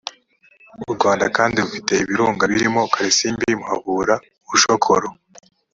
u rwanda kandi rufite ibirunga birimo kalisimbi muhabura bushokoro